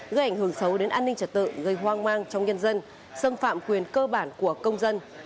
gây ảnh hưởng xấu đến an ninh trật tự gây hoang mang trong nhân dân xâm phạm quyền cơ bản của công dân